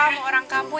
mau orang kampung